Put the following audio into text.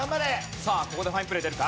さあここでファインプレー出るか？